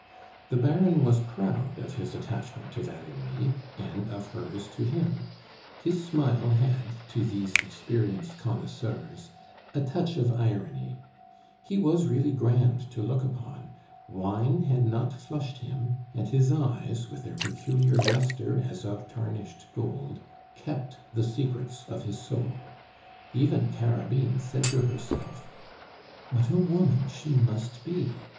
The Baron was proud of his attachment to Valerie, and of hers to him; his smile had, to these experienced connoisseurs, a touch of irony; he was really grand to look upon; wine had not flushed him; and his eyes, with their peculiar lustre as of tarnished gold, kept the secrets of his soul. Even Carabine said to herself: "What a woman she must be!